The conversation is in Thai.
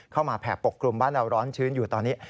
แผ่ปกกลุ่มบ้านเราร้อนชื้นอยู่ตอนนี้